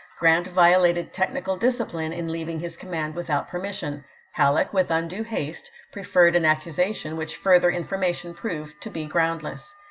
Grant violated technical discipline in leaving his command without permission; Halleck, with undue hast^, preferred an accusation which further information proved to be groundless.